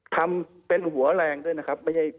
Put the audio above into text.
ทำเป็นหัวแรงด้วยนะครับ